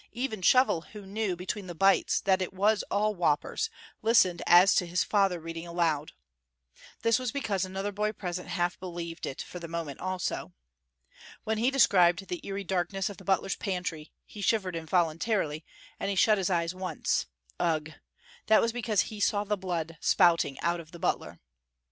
Even Shovel, who knew, between the bites, that it was all whoppers, listened as to his father reading aloud. This was because another boy present half believed it for the moment also. When he described the eerie darkness of the butler's pantry, he shivered involuntarily, and he shut his eyes once ugh! that was because he saw the blood spouting out of the butler.